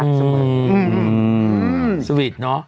อืมสวีทเนาะ